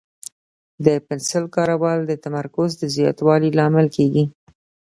د پنسل کارول د تمرکز د زیاتوالي لامل کېږي.